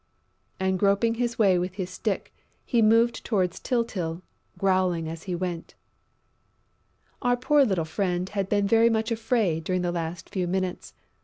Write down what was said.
And groping his way with his stick, he moved towards Tyltyl, growling as he went. Our poor little friend had been very much afraid during the last few minutes.